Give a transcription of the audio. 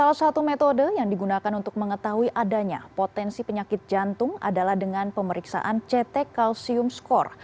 salah satu metode yang digunakan untuk mengetahui adanya potensi penyakit jantung adalah dengan pemeriksaan ct calcium score